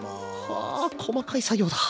は細かい作業だ。